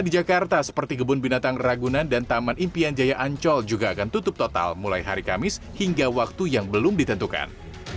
di jakarta seperti kebun binatang ragunan dan taman impian jaya ancol juga akan tutup total mulai hari kamis hingga waktu yang belum ditentukan